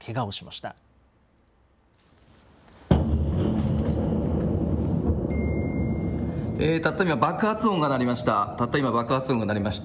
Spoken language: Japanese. たった今、爆発音が鳴りました。